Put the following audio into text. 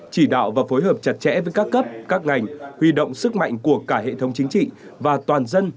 chỉ đạo và phối hợp chặt chẽ với các cấp các ngành huy động sức mạnh của cả hệ thống chính trị và toàn dân